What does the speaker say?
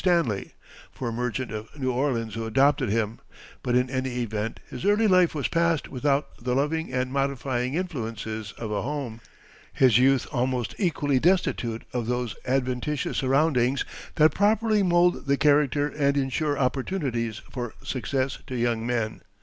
Stanley, for a merchant of New Orleans who adopted him; but in any event his early life was passed without the loving and modifying influences of a home, his youth almost equally destitute of those adventitious surroundings that properly mould the character and insure opportunities for success to young men.